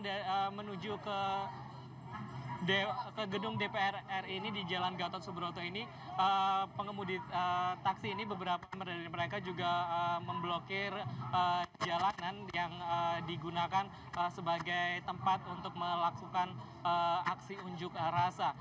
yang menuju ke gedung dpr ri ini di jalan gatot subroto ini pengemudi taksi ini beberapa dari mereka juga memblokir jalanan yang digunakan sebagai tempat untuk melakukan aksi unjuk rasa